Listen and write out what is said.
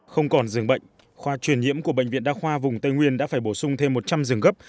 không còn dường bệnh khoa truyền nhiễm của bệnh viện đa khoa vùng tây nguyên đã phải bổ sung thêm một trăm linh dường gấp